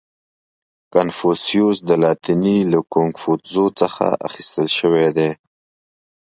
• کنفوسیوس د لاتیني له کونګ فو تزو څخه اخیستل شوی دی.